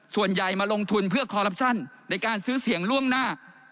มาลงทุนเพื่อคอรัปชั่นในการซื้อเสียงล่วงหน้า